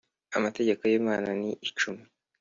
Amategeko yi Mana ni icumi